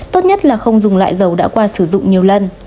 tốt nhất là không dùng loại dầu đã qua sử dụng nhiều lần